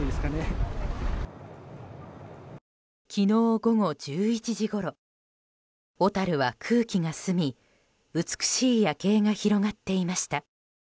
昨日午後１１時ごろ小樽は空気が澄み美しい夜景が広がっていました。